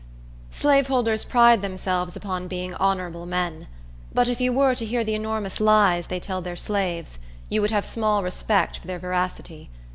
Slaveholders pride themselves upon being honorable men; but if you were to hear the enormous lies they tell their slaves, you would have small respect for their veracity.